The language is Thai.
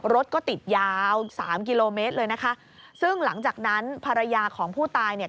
รถก็ติดยาวสามกิโลเมตรเลยนะคะซึ่งหลังจากนั้นภรรยาของผู้ตายเนี่ย